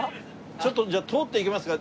ちょっとじゃあ通っていけますか？